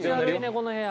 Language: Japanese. この部屋。